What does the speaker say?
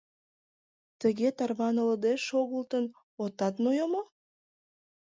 — Тыге тарванылде шогылтын, отат нойо мо?